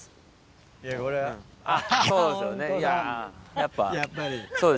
やっぱり。